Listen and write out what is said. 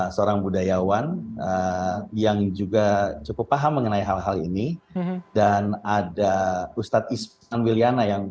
seorang budayawan yang juga cukup paham mengenai hal hal ini dan ada ustadz iskan williana yang